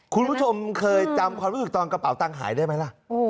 คุณผู้ชมเคยจำความรู้สึกตอนกระเป๋าตังค์หายได้ไหมล่ะ